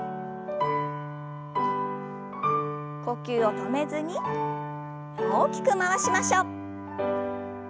呼吸を止めずに大きく回しましょう。